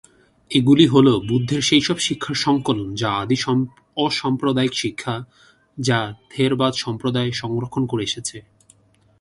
এগুলি হল বুদ্ধের সেই সব শিক্ষার সংকলন যা আদি অসাম্প্রদায়িক শিক্ষা, যা থেরবাদ সম্প্রদায় সংরক্ষণ করে এসেছে।